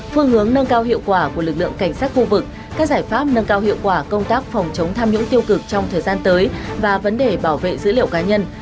phương hướng nâng cao hiệu quả của lực lượng cảnh sát khu vực các giải pháp nâng cao hiệu quả công tác phòng chống tham nhũng tiêu cực trong thời gian tới và vấn đề bảo vệ dữ liệu cá nhân